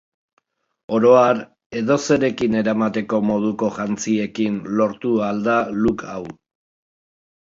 Oro har, edozerekin eramateko moduko jantziekin lortu ahal da look hau.